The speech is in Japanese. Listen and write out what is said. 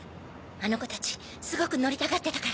あの子たちすごく乗りたがってたから。